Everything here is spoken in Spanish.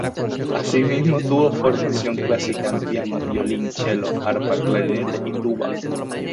Así mismo tuvo formación clásica en piano, violín, chelo, arpa, clarinete y tuba.